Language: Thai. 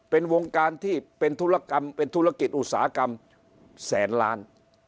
เป็นวงการที่เป็นธุรกรรมเป็นธุรกิจอุตสาหกรรมแสนล้าน